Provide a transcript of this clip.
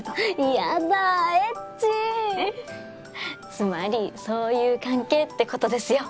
つまりそういう関係ってことですよ。